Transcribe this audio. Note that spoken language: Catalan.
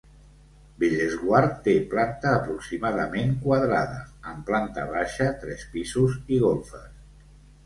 Bellesguard té planta aproximadament quadrada, amb planta baixa, tres pisos i golfes.